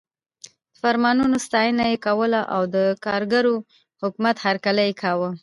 د فرمانونو ستاینه یې کوله او د کارګرو حکومت هرکلی یې کاوه.